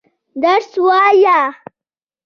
درس وايه.